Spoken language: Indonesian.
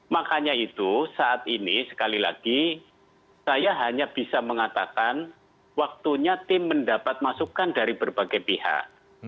makanya itu saat ini sekali lagi saya hanya bisa mengatakan waktunya tim mendapat masukan dari berbagai pihak